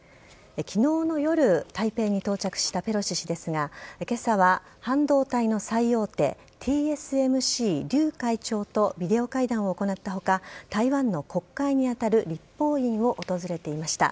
昨日の夜台北に到着したペロシ氏ですが今朝は半導体の最大手ＴＳＭＣ、リュウ会長とビデオ会談を行った他、台湾の国会に当たる立法院を訪れていました。